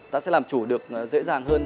ta sẽ làm chủ được dễ dàng hơn